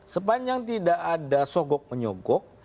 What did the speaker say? sepanjang tidak ada sogok menyogok